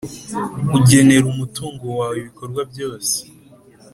Ugenera umutungo wawe ibikorwa byose